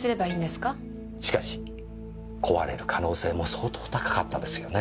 しかし壊れる可能性も相当高かったですよね？